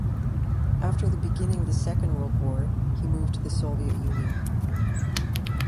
After the beginning of the Second World War he moved to the Soviet Union.